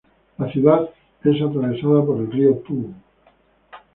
La ciudad es atravesada por el río Tuo.